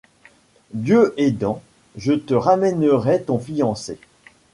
Dieu aidant, je te ramènerai ton fiancé!